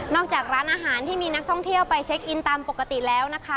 จากร้านอาหารที่มีนักท่องเที่ยวไปเช็คอินตามปกติแล้วนะคะ